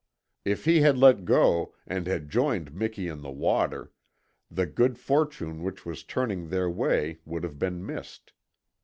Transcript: If he had let go, and had joined Miki in the water, the good fortune which was turning their way would have been missed.